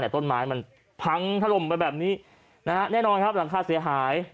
แต่ต้นไม้มันพังถล่มไปแบบนี้นะฮะแน่นอนครับหลังคาเสียหาย